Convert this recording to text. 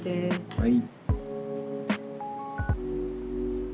はい。